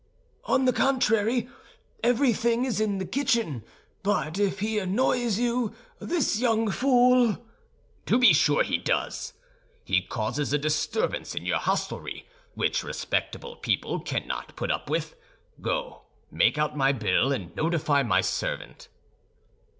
"On the contrary, everything is in the kitchen. But if he annoys you, this young fool—" "To be sure he does. He causes a disturbance in your hostelry, which respectable people cannot put up with. Go; make out my bill and notify my servant."